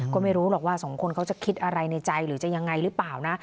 ก็ไม่รู้หรอกว่าสองคนเขาจะคิดอะไรในใจหรือจะยังไงหรือเปล่านะ